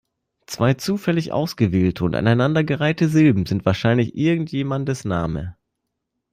Zwei zufällig ausgewählte und aneinandergereihte Silben sind wahrscheinlich irgendjemandes Name.